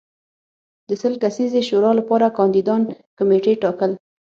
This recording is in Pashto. د سل کسیزې شورا لپاره کاندیدان کمېټې ټاکل